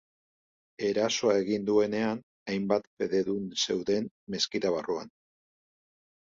Erasoa egin duenean, hainbat fededun zeuden meskita barruan.